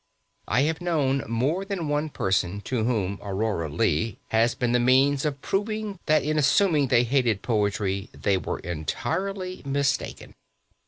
I have known more than one person to whom "Aurora Leigh" has been the means of proving that in assuming they hated poetry they were entirely mistaken.